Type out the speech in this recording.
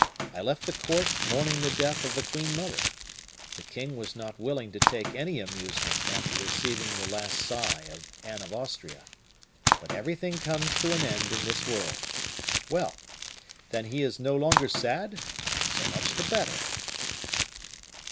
I left the court mourning the death of the queen mother. The king was not willing to take any amusement after receiving the last sigh of Anne of Austria; but everything comes to an end in this world. Well! then he is no longer sad? So much the better."